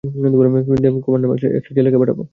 দেবকুমার নামের একটা ছেলেকে পাঠাব।